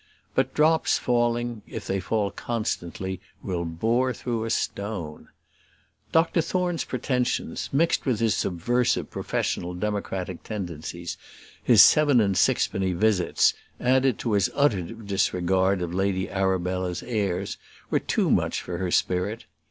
But drops falling, if they fall constantly, will bore through a stone. Dr Thorne's pretensions, mixed with his subversive professional democratic tendencies, his seven and sixpenny visits, added to his utter disregard of Lady Arabella's airs, were too much for her spirit.